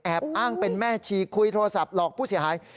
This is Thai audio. อ้างเป็นแม่ชีคุยโทรศัพท์หลอกผู้เสียหาย